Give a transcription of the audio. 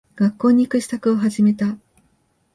学校に行く支度を始めた。